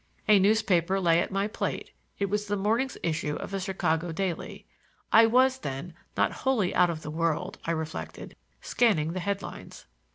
A newspaper lay at my plate; it was the morning's issue of a Chicago daily. I was, then, not wholly out of the world, I reflected, scanning the head lines.